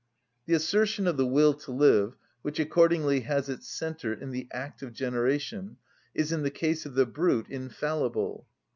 The assertion of the will to live, which accordingly has its centre in the act of generation, is in the case of the brute infallible.